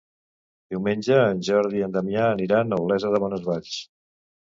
Diumenge en Jordi i en Damià aniran a Olesa de Bonesvalls.